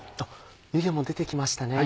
湯気も出てきましたね。